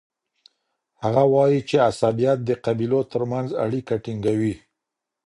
هغه وایي چي عصبيت د قبیلو ترمنځ اړیکه ټینګوي.